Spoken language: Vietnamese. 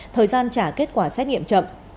thời gian trả kết quả xét nghiệm chậm